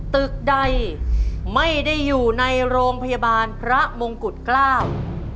ตึกใดไม่ได้อยู่ในโรงพยาบาลพระมงกุฎเกล้า